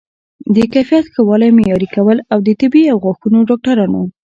د کیفیت ښه والی معیاري کول او د طبي او غاښونو ډاکټرانو